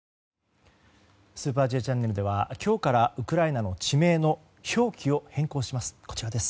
「スーパーＪチャンネル」では今日からウクライナの地名の表記を変更します。